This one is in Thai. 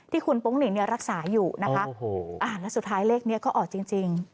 ที่คุณโป๊งหนิงเนี่ยรักษาอยู่นะคะแล้วสุดท้ายเลขนี้ก็ออกจริง